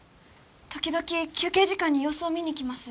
時々休憩時間に様子を見に来ます。